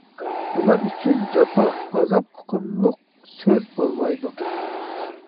ئۇلار ئۈچۈن «جاپا» ، «ئازاب» ئۇقۇملۇق سۆز بولمايدۇ.